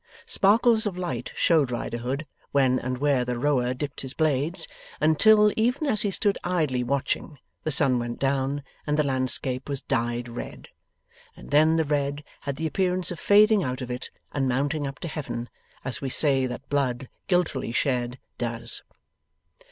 Sparkles of light showed Riderhood when and where the rower dipped his blades, until, even as he stood idly watching, the sun went down and the landscape was dyed red. And then the red had the appearance of fading out of it and mounting up to Heaven, as we say that blood, guiltily shed, does.